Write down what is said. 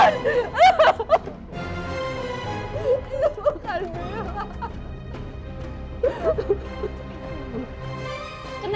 itu bukan bella